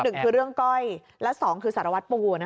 ๑คือเรื่องก้อยแล้ว๒คือสารวัตรปูนะครับ